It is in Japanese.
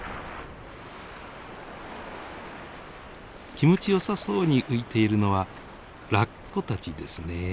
気持ちよさそうに浮いているのはラッコたちですね。